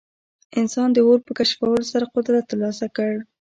انسان د اور په کشفولو سره قدرت ترلاسه کړ.